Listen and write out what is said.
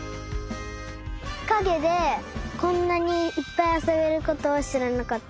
かげでこんなにいっぱいあそべることをしらなかった。